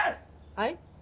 はい？